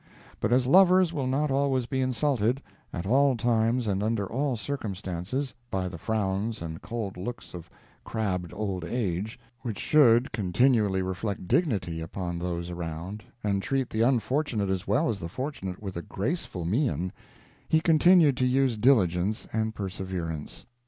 But as lovers will not always be insulted, at all times and under all circumstances, by the frowns and cold looks of crabbed old age, which should continually reflect dignity upon those around, and treat the unfortunate as well as the fortunate with a graceful mien, he continued to use diligence and perseverance.